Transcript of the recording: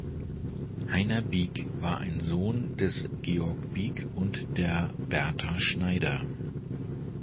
Heiner Bieg war ein Sohn des Georg Bieg und der Bertha Schneider.